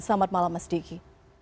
selamat malam mas diki